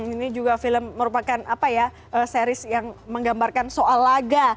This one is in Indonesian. ini juga film merupakan apa ya series yang menggambarkan soal laga